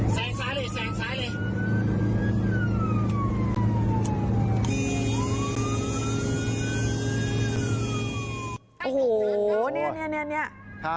ส่างซ้ายเลย